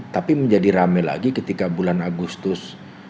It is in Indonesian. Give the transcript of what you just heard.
tapi menjadi rame lagi ketika bulan agustus dua ribu tujuh belas